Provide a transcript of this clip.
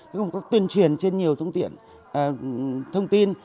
không có tuyên truyền trên nhiều thông tin